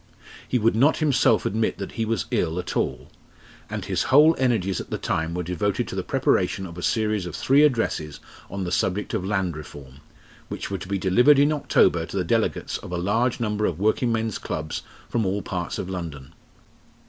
He would not himself admit that he was ill at all, and his whole energies at the time were devoted to the preparation of a series of three addresses on the subject of Land Reform, which were to be delivered in October to the delegates of a large number of working men's clubs from all parts of London.